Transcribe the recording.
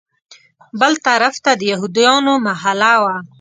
بل طرف ته د یهودیانو محله وه.